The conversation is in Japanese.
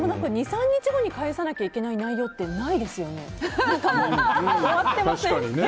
２３日後に返さないといけない内容ってないですよね。